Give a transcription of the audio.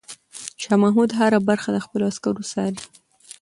شاه محمود هره برخه د خپلو عسکرو څاري.